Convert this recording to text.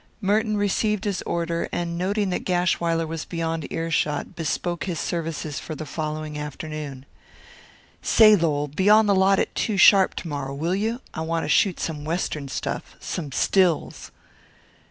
Merton received his order, and noting that Gashwiler was beyond earshot bespoke his services for the following afternoon. "Say, Lowell, be on the lot at two sharp to morrow, will you? I want to shoot some Western stuff some stills."